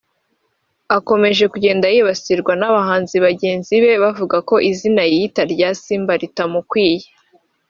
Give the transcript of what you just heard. akomeje kugenda yibasirwa n’abandi bahanzi bagenzi be bavuga ko izina yiyita rya “ Simba” ritamukwiriye